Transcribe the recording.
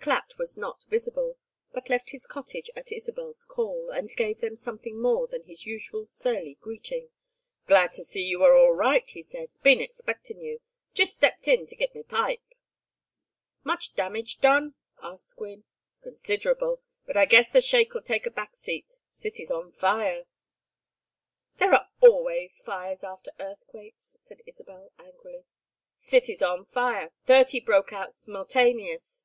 Clatt was not visible, but left his cottage at Isabel's call, and gave them something more than his usual surly greeting. "Glad to see you are all right," he said. "Been expectin' you. Jest stepped in to git my pipe." "Much damage done?" asked Gwynne. "Considerable, but I guess the shake'll take a back seat. City's on fire." "There are always fires after earthquakes," said Isabel, angrily. "City's on fire. Thirty broke out s'multaneous.